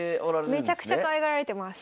めちゃくちゃかわいがられてます。